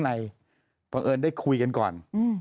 แต่ได้ยินจากคนอื่นแต่ได้ยินจากคนอื่น